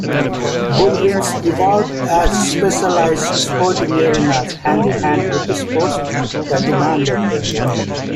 Bullrings evolved as specialized sporting arenas hand-in-hand with the sport that demanded them.